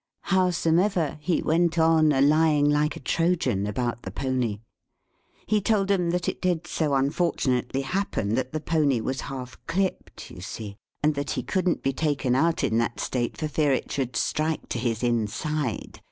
Howsomever, he went on a lying like a Trojan about the pony. He told 'em that it did so unfortunately happen that the pony was half clipped, you see, and that he couldn't be taken out in that state, for fear it should strike to his inside.